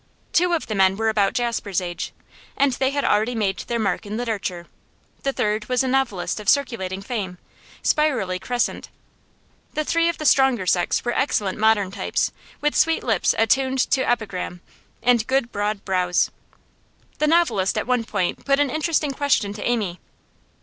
Two of the men were about Jasper's age, and they had already made their mark in literature; the third was a novelist of circulating fame, spirally crescent. The three of the stronger sex were excellent modern types, with sweet lips attuned to epigram, and good broad brows. The novelist at one point put an interesting question to Amy.